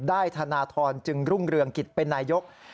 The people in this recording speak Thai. ธนทรจึงรุ่งเรืองกิจเป็นนายก